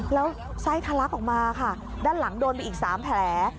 แล้วไส้ทะลักออกมาค่ะด้านหลังโดนไปอีก๓แผล